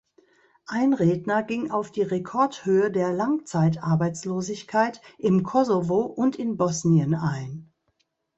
Ein Redner ging auf die Rekordhöhe der Langzeitarbeitslosigkeit im Kosovo und in Bosnien ein.